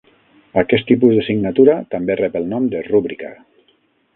Aquest tipus de signatura també rep el nom de "rúbrica".